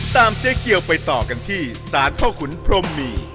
ตามเจ๊เกรียวไปต่อกันที่สารพ่อขุนพรหมี่